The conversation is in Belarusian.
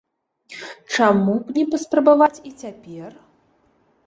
Чаму б не паспрабаваць і цяпер?